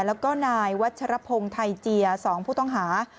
แล้วก็นายวัชรพงศ์ไทยเจีย๒ผู้ต้องหา